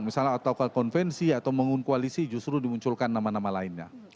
misalnya atau konvensi atau membangun koalisi justru dimunculkan nama nama lainnya